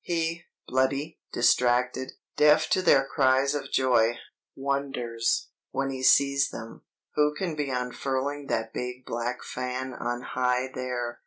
He, bloody, distracted, deaf to their cries of joy, wonders, when he sees them, who can be unfurling that big black fan on high there.